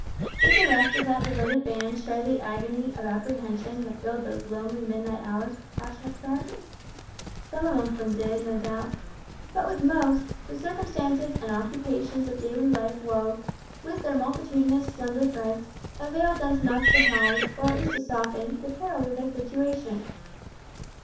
Did the rest of that devoted band share the agony of apprehension that filled those lonely midnight hours with passionate prayer? Some amongst them did, no doubt. But with most, the circumstances and occupations of daily life wove, with their multitudinous slender threads, a veil dense enough to hide, or at least to soften, the perils of their situation.